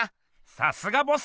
さすがボス！